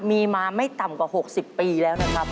มีมาไม่ต่ำกว่า๖๐ปีแล้วนะครับ